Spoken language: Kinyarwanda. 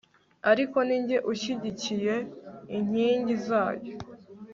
ariko ni jye ushyigikiye inkingi zayo